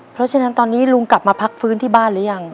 เพราะฉะนั้นตอนนี้ลุงกลับมาพักฟื้นที่บ้านหรือยัง